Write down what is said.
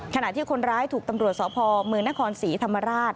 ขณะที่คนร้ายถูกตำรวจสพเมืองนครศรีธรรมราช